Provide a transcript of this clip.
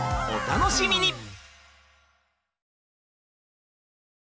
お楽しみに！